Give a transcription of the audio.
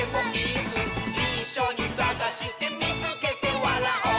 「いっしょにさがしてみつけてわらおう！」